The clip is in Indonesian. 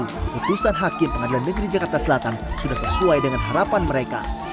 keputusan hakim pengadilan negeri jakarta selatan sudah sesuai dengan harapan mereka